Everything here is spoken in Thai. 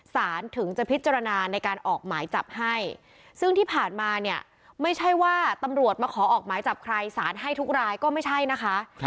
ถึงจะพิจารณาในการออกหมายจับให้ซึ่งที่ผ่านมาเนี่ยไม่ใช่ว่าตำรวจมาขอออกหมายจับใครสารให้ทุกรายก็ไม่ใช่นะคะ